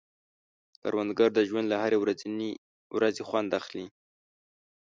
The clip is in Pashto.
کروندګر د ژوند له هرې ورځې خوند اخلي